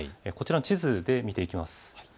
こちらの地図で見ていきます。